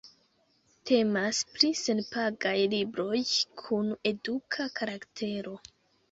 Temas pri senpagaj libroj kun eduka karaktero.